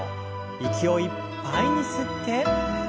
息をいっぱいに吸って。